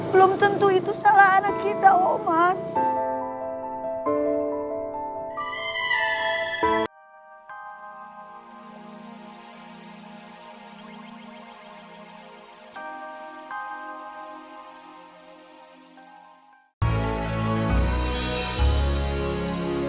belum tentu itu salah anak kita roman